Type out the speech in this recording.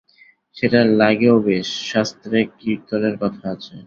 সেটা লাগেও বেশ, শাস্ত্রেও কীর্তনের কথা আছে।